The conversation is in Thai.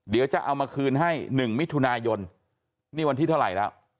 เดี๋ยวจะเอามาคืนให้๑มิถุนายนนี่วันที่เท่าไหร่แล้ว